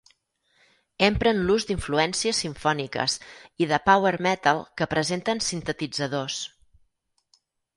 Empren l'ús d'influències simfòniques i de power-metal que presenten sintetitzadors.